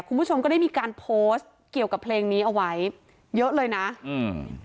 คุณผู้ชมก็ได้มีการโพสต์เกี่ยวกับเพลงนี้เอาไว้เยอะเลยนะอืม